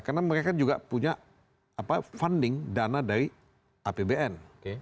karena mereka juga punya funding dana dari apbn